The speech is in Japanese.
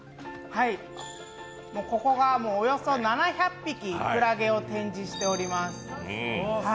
ここがおよそ７００匹、くらげを展示しております。